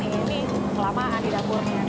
ini kelamaan di dapurnya